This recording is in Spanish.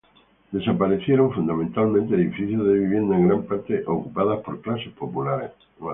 Desaparecieron fundamentalmente edificios de viviendas en gran parte ocupadas por clases populares.